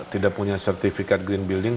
tidak punya sertifikat green building